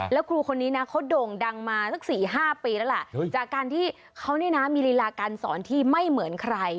แล้วครูคนนี้นะเขาโด่งดังมาสัก๔๕ปีแล้วล่ะจากการที่เขาเนี่ยนะมีลีลาการสอนที่ไม่เหมือนใคร